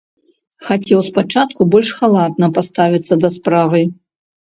Хацеў спачатку больш халатна паставіцца да справы.